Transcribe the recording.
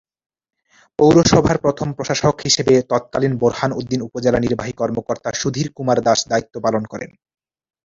পৌরসভার প্রথম প্রশাসক হিসেবে তৎকালীন বোরহানউদ্দিন উপজেলা নির্বাহী কর্মকর্তা সুধীর কুমার দাস দায়িত্ব পালন করেন।